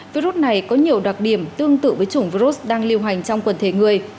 virus này có nhiều đặc điểm tương tự với chủng virus đang lưu hành trong quần thể người